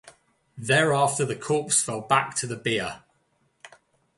Thereafter the corpse fell back to the bier.